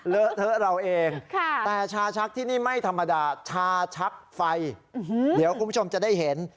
เลอะเทอะเราเองแต่ชาชักที่นี่ไม่ธรรมดาชาชักไฟเดี๋ยวคุณผู้ชมจะได้เห็น